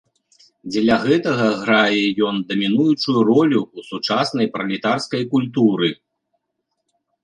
Дзеля гэтага грае ён дамінуючую ролю ў сучаснай пралетарскай культуры.